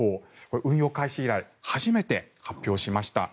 運用開始以来初めて発表しました。